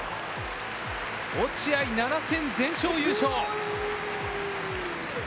落合、７戦全勝優勝。